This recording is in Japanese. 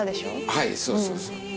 はいそうそうそう。